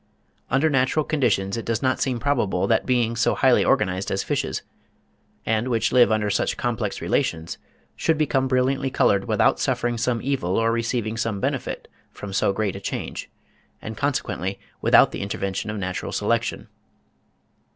Under natural conditions it does not seem probable that beings so highly organised as fishes, and which live under such complex relations, should become brilliantly coloured without suffering some evil or receiving some benefit from so great a change, and consequently without the intervention of natural selection.